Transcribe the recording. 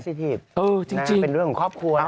สิทธิ์ที่เป็นเรื่องของครอบครัว